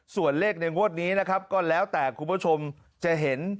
ส่วนเลขในงวดนี้นะครับก็แล้วแต่คุณผู้ชมจะเห็น